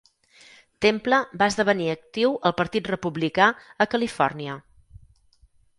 Temple va esdevenir actiu al partit republicà a Califòrnia.